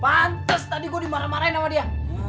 pantes tadi gue dimarah marahin sama dia